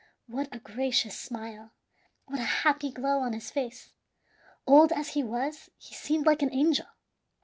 What a gracious smile! What a happy glow on his face! Old as he was, he seemed like an angel.